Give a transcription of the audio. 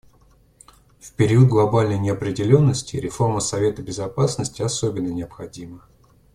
В период глобальной неопределенности реформа Совета Безопасности особенно необходима.